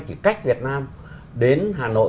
chỉ cách việt nam đến hà nội